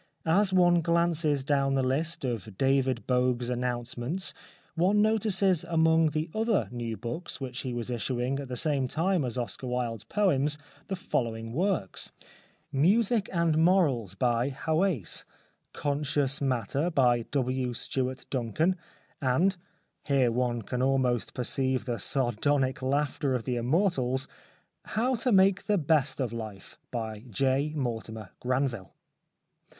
As one glances down the list of David Bogue's announcements one notices among the other new books which he was issuing at the same time as Oscar Wilde's poems the following works :" Music and 173 The Life of Oscar Wilde Morals," by Haweis; "Conscious Matter," by W. Stewart Duncan ; and (here one can almost perceive the sardonic laughter of the immortals) " How to Make the Best of Life/' by J. Mortimer Gran vile.